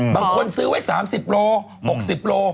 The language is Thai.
บางคนซื้อไว้๓๐โล๖๐โล